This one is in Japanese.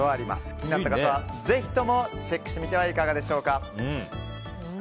気になった方はぜひチェックしてみてはいかがでしょうか。